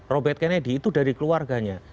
robert kennedy itu dari keluarganya